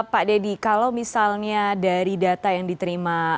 pak deddy kalau misalnya dari data yang diterima